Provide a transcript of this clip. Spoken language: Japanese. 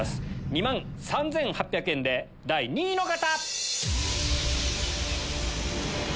２万３８００円で第２位の方！